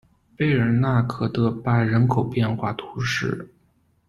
贝尔纳克德巴人口变化图示